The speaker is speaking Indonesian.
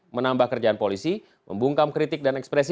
menambah kerjaan polisi membungkam kritik dan ekspresi